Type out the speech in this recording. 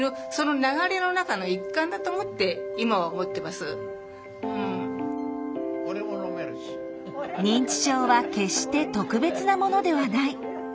すると次第に「認知症は決して特別なものではない」。